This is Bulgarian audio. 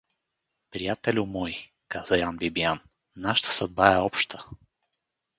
— Приятелю мой — каза Ян Бибиян, — нашата съдба е обща.